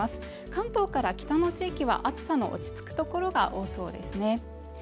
関東から北の地域は暑さの落ち着くところが多そうですね